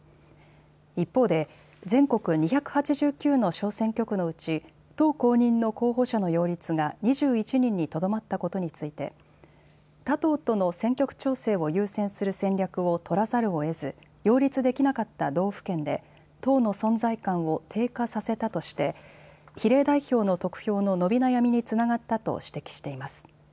一方で全国２８９の小選挙区のうち党公認の候補者の擁立が２１人にとどまったことについて他党との選挙区調整を優先する戦略を取らざるをえず擁立できなかった道府県で党の存在感を低下させたとして比例代表の得票の伸び悩みにつながったと指摘しています。